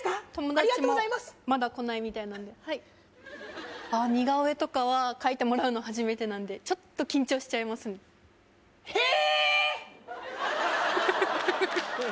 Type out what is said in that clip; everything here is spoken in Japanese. ありがとうございます友達もまだ来ないみたいなんではい似顔絵とかは描いてもらうの初めてなんでちょっと緊張しちゃいますねへー！